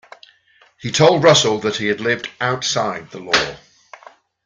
He told Russell that he had lived outside the law.